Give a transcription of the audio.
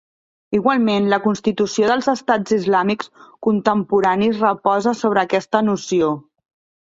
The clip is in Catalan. Igualment, la constitució dels estats islàmics contemporanis reposa sobre aquesta noció.